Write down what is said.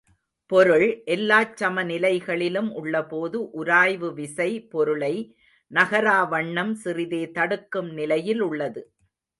பொருள் எல்லாச் சமநிலைகளிலும் உள்ளபோது, உராய்வுவிசை பொருளை நகரா வண்ணம் சிறிதே தடுக்கும் நிலையிலுள்ளது.